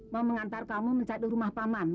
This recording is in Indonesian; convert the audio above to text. mau mengantar kamu mencari rumah paman